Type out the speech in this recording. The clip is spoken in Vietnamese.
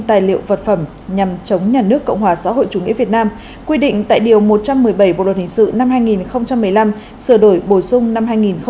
tài liệu vật phẩm nhằm chống nhà nước cộng hòa xã hội chủ nghĩa việt nam quy định tại điều một trăm một mươi bảy bộ luật hình sự năm hai nghìn một mươi năm sửa đổi bổ sung năm hai nghìn một mươi bảy